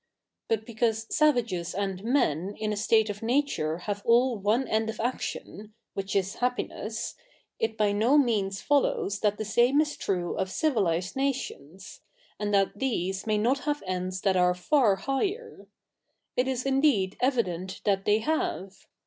But because savages a?id men in a state of ?iatu?'e have all one end of action, which is happiness, it bv no 7nea7is folloivs that the sa77ie is t7'ue of civilised nations, a7id that these may ?iot have ends that are far higher. It is indeed evident that they have.